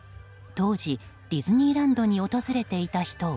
当時、ディズニーランドに訪れていた人は。